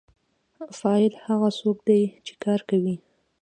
فاعل هغه څوک دی چې کار کوي.